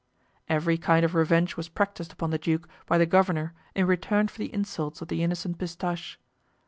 Every kind of revenge was practiced upon the duke by the governor in return for the insults of the innocent Pistache.